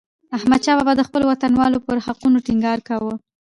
احمدشاه بابا د خپلو وطنوالو پر حقونو ټينګار کاوه.